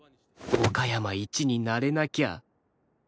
岡山一になれなきゃ